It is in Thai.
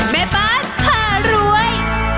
แม่บ้านผ่ารวย